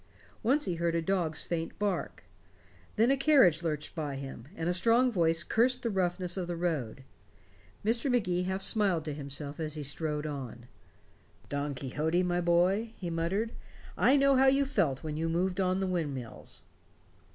Once he heard a dog's faint bark. Then a carriage lurched by him, and a strong voice cursed the roughness of the road. Mr. Magee half smiled to himself as he strode on. "Don Quixote, my boy," he muttered, "I know how you felt when you moved on the windmills."